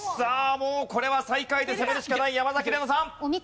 もうこれは最下位で攻めるしかない山崎怜奈さん。